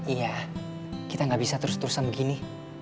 iya kita gak bisa terus terusan begini